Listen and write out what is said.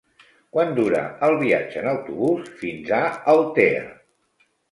Quant dura el viatge en autobús fins a Altea?